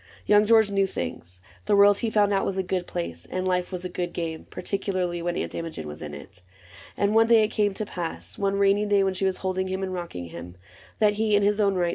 Young George knew things. The world, he had found out. Was a good place, and life was a good game •— Particularly when Aunt Imogen Was in it. And one day it came to pass — One rainy day when she was holding him And rocking him — that he, in his own right.